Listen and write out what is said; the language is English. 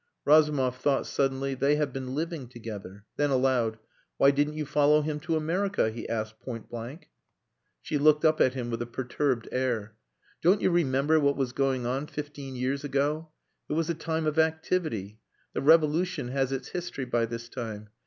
Razumov thought suddenly, "They have been living together." Then aloud "Why didn't you follow him to America?" he asked point blank. She looked up at him with a perturbed air. "Don't you remember what was going on fifteen years ago? It was a time of activity. The Revolution has its history by this time.